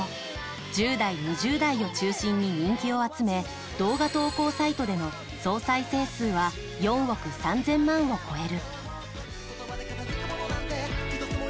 １０代、２０代を中心に人気を集め動画投稿サイトでの総再生数は４億３０００万を超える。